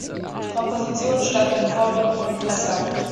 Die Kompositionen stammten vorwiegend von Presser.